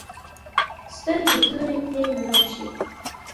سترګې تورې کړې نو راشې.